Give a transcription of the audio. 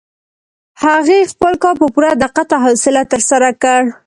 هغې خپل کار په پوره دقت او حوصله ترسره کړ.